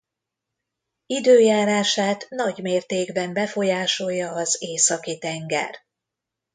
Időjárását nagy mértékben befolyásolja az Északi-tenger.